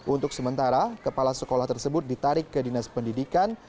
untuk sementara kepala sekolah tersebut ditarik ke dinas pendidikan